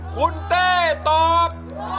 คุณเต้ตอบ